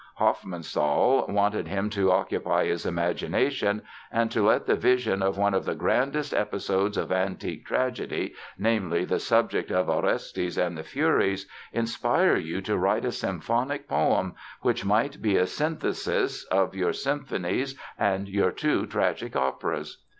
Hofmannsthal wanted him to occupy his imagination and "to let the vision of one of the grandest episodes of antique tragedy, namely the subject of Orestes and the Furies, inspire you to write a symphonic poem, which might be a synthesis, of your symphonies and your two tragic operas!"